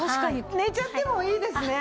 寝ちゃってもいいですね。